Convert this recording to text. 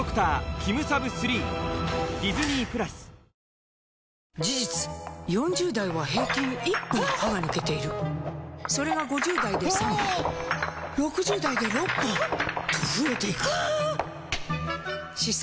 うまダブルなんで事実４０代は平均１本歯が抜けているそれが５０代で３本６０代で６本と増えていく歯槽